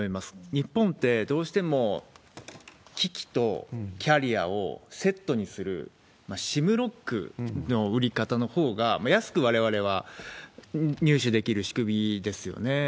日本って、どうしても機器とキャリアをセットにする、ＳＩＭロックの売り方のほうが、安くわれわれは入手できる仕組みですよね。